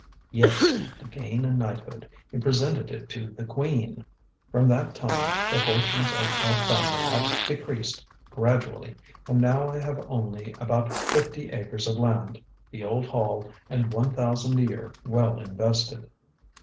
"Yes. To gain a knighthood, he presented it to the Queen. From that time the fortunes of our family have decreased gradually, and now I have only about fifty acres of land, the old Hall, and one thousand a year well invested."